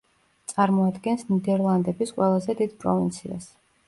წარმოადგენს ნიდერლანდების ყველაზე დიდ პროვინციას.